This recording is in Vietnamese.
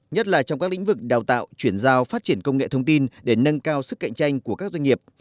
nhất là trong các lĩnh vực đào tạo chuyển giao phát triển công nghệ thông tin để nâng cao sức cạnh tranh của các doanh nghiệp